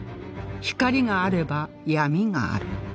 光があれば闇がある